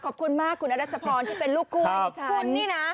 ขอบคุณมากคุณณรัชภรรณที่เป็นลูกครู่ในฉัน